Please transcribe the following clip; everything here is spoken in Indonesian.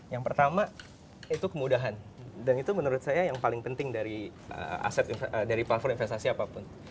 yang pertama itu kemudahan dan itu menurut saya yang paling penting dari platform investasi apapun